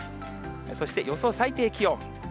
そして予想最低気温。